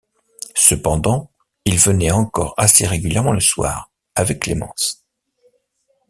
Cependant, il venait encore assez régulièrement le soir, avec Clémence.